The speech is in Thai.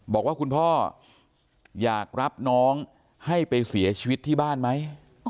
บอกว่าคุณพ่ออยากรับน้องให้ไปเสียชีวิตที่บ้านไหม